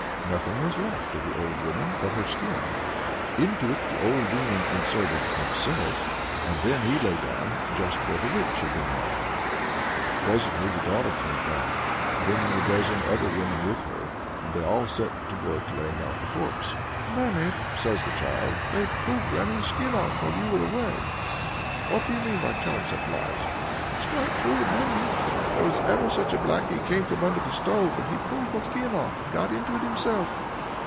Nothing was left of the old woman but her skin. Into it the old demon inserted himself, and then he lay down just where the witch had been lying. Presently the daughter came back, bringing a dozen other women with her, and they all set to work laying out the corpse. "Mammy," says the child, "they've pulled granny's skin off while you were away." "What do you mean by telling such lies?" "It's quite true, Mammy! There was ever such a blackie came from under the stove, and he pulled the skin off, and got into it himself."